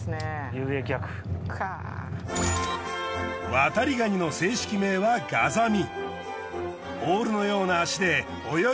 ワタリガニの正式名はガザミ。